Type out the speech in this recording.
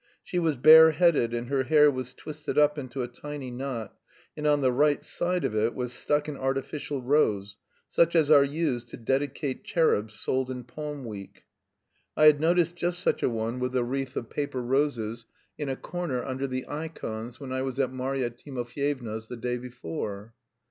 She was bareheaded, and her hair was twisted up into a tiny knot, and on the right side of it was stuck an artificial rose, such as are used to dedicate cherubs sold in Palm week. I had noticed just such a one with a wreath of paper roses in a corner under the ikons when I was at Marya Timofyevna's the day before.